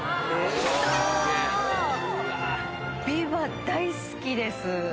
ビワ大好きです。